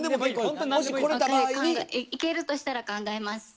行けるとしたら考えます。